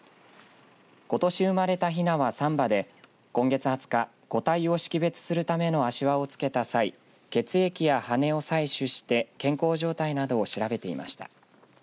ことし生まれたひなは３羽で今月２０日、個体を識別するための足輪をつけた際血液や羽を採取して健康状態などを調べていました。